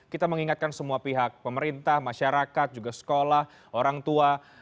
kita mengingatkan semua pihak pemerintah masyarakat juga sekolah orang tua